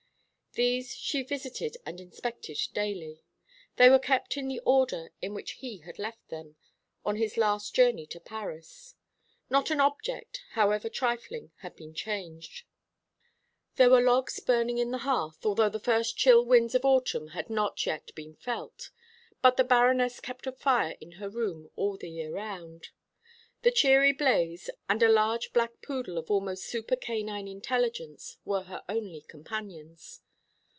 These she visited and inspected daily. They were kept in the order in which he had left them, on his last journey to Paris. Not an object, however trifling, had been changed. There were logs burning on the hearth, although the first chill winds of autumn had not yet been felt: but the Baroness kept a fire in her room all the year round. The cheery blaze and a large black poodle of almost super canine intelligence were her only companions.